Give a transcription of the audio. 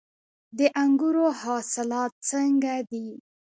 د انګورو حاصلات څنګه دي؟